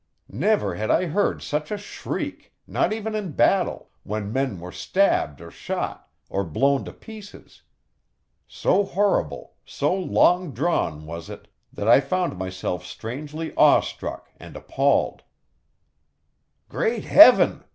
Never had I heard such a shriek, not even in battle, when men were stabbed or shot, or blown to pieces. So horrible, so long drawn was it, that I found myself strangely awe struck and appalled. "Great heaven!"